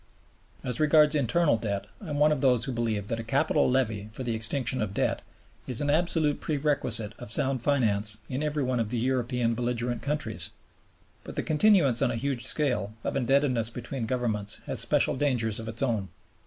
As regards internal debt, I am one of those who believe that a capital levy for the extinction of debt is an absolute prerequisite of sound finance in everyone of the European belligerent countries. But the continuance on a huge scale of indebtedness between Governments has special dangers of its own.